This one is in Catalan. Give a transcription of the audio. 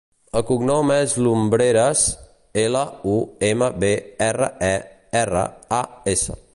El cognom és Lumbreras: ela, u, ema, be, erra, e, erra, a, essa.